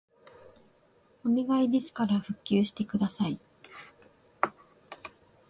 お願いですから復旧してください